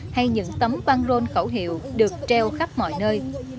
hay những tấm băng rôn khẩu hiệu được treo khắp mọi nơi